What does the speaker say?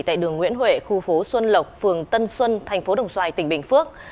tại đường nguyễn huệ khu phố xuân lộc phường tân xuân thành phố đồng xoài tỉnh bình phước